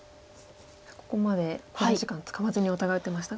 ここまで考慮時間使わずにお互い打ってましたが。